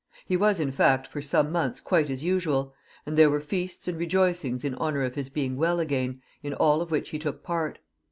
He was, in fact, for some months quite as usual ; and there were feasts and rejoicings in honour of his being well again, in aU of which he took part.